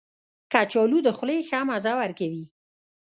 کچالو د خولې ښه مزه ورکوي